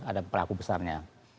ada pelaku besarnya